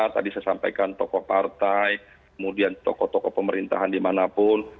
tadi saya sampaikan tokoh partai kemudian tokoh tokoh pemerintahan dimanapun